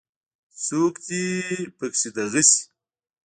چې څوک دي پکې دغ شي.